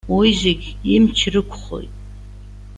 Уи зегьы имч рықәхоит.